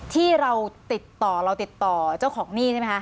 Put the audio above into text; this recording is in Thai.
ที่เราติดต่อเจ้าของหนี้ใช่ไหมคะ